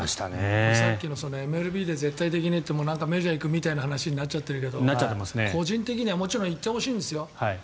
さっきのＭＬＢで絶対的にってメジャー行くみたいな話になっちゃってるけど個人的にはもちろん行ってほしいんですよ。